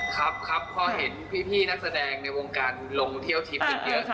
ครับครับพอเห็นพี่นักแสดงในวงการลงเที่ยวทิพย์กันเยอะ